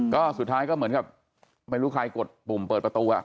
ก็สุดท้ายก็เหมือนกับไม่รู้ใครกดปุ่มเปิดประตู